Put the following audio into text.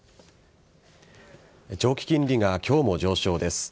長期金利が今日も上昇です。